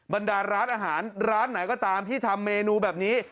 บรรดาร้านอาหารร้านไหนก็ตามที่ทำเมนูแบบนี้